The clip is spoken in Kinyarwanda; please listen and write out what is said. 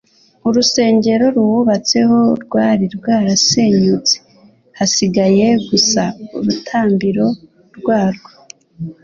Urusengero ruwubatseho rwari rwarasenyutse, hasigaye gusa urutambiro rwarwo